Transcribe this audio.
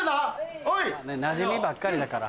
なじみばっかりだから。